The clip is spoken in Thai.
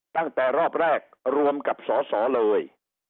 ตั้งแต่รอบแรกรวมกับสอสอเลย